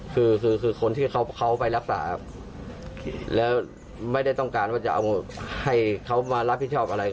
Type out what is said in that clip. คือคือคนที่เขาไปรักษาแล้วไม่ได้ต้องการว่าจะเอาให้เขามารับผิดชอบอะไร